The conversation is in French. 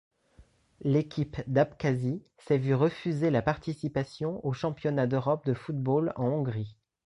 L'équipe d'Abkhazie s'est vu refuser la participation au Championnat d'Europe de football en Hongrie.